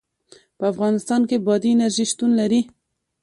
په افغانستان کې بادي انرژي شتون لري.